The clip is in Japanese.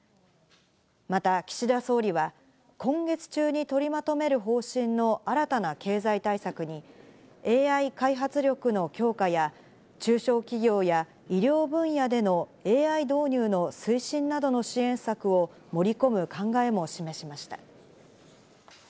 また、岸田総理は今月中に取りまとめる方針の新たな経済対策にＡＩ開発力の強化や、中小企業や医療分野でのＡＩ導入の推進などの支援策を盛り込む考えも示しました。